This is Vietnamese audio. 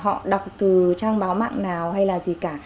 không quan tâm rằng là họ đọc từ trang báo mạng nào hay là gì cả